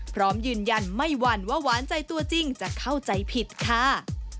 พร้อมยืนยันไม่หวั่นว่าหวานใจตัวจริงจะเข้าใจผิดค่ะ